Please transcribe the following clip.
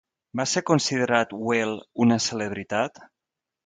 Va ser considerat Whale una celebritat?